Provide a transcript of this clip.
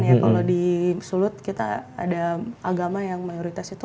karena kan ya kalo di sulut kita ada agama yang mayoritasnya berkawin